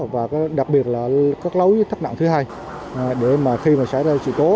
và đặc biệt là các lối thấp nặng thứ hai để khi xảy ra sự cố